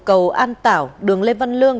cầu an tảo đường lê văn lương